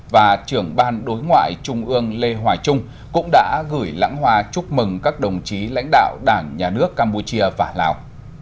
và trưởng ban đối ngoại trung ương lê hoài trung cũng đã gửi lãng hoa chúc mừng các đồng chí lãnh đạo đảng nhà nước campuchia và lào